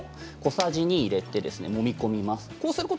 小さじ２入れて、もみ込みます。